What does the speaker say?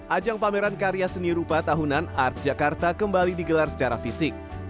ajang pameran karya seni rupa tahunan art jakarta kembali digelar secara fisik